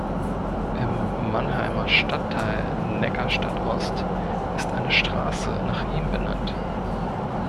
Im Mannheimer Stadtteil Neckarstadt-Ost ist eine Straße nach ihm benannt.